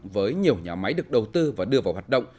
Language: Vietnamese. với nhiều nhà máy được đầu tư và đưa vào hoạt động